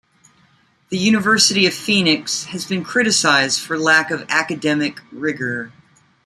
The University of Phoenix has been criticized for lack of academic rigor.